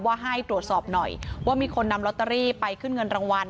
ว่าให้ตรวจสอบหน่อยว่ามีคนนำลอตเตอรี่ไปขึ้นเงินรางวัล